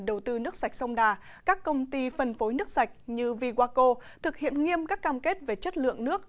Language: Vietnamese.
đầu tư nước sạch sông đà các công ty phân phối nước sạch như vigoaco thực hiện nghiêm các cam kết về chất lượng nước